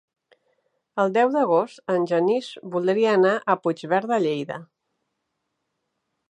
El deu d'agost en Genís voldria anar a Puigverd de Lleida.